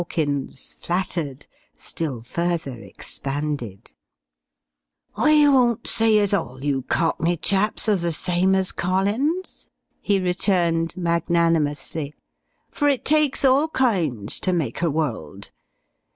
Borkins, flattered, still further expanded. "I won't say as all you cockney chaps are the same as Collins," he returned magnanimously, "for it takes all kinds ter make a world.